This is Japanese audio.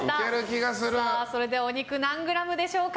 それではお肉何ｇでしょうか？